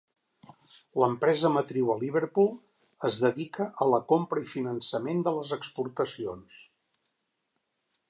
L'empresa matriu a Liverpool es dedica a la compra i finançament de les exportacions.